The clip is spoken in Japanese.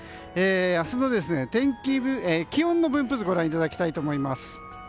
明日の気温の分布図をご覧いただきたいと思います。